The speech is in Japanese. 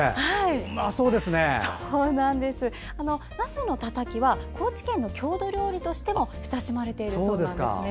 なすのたたきは高知県の郷土料理としても親しまれているそうなんです。